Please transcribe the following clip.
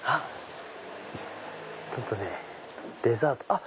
ちょっとねデザート。